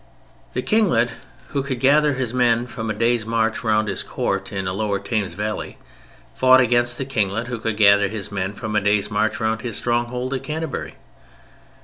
The kinglet who could gather his men from a day's march round his court in the lower Thames Valley, fought against the kinglet who could gather his men from a day's march round his stronghold at Canterbury.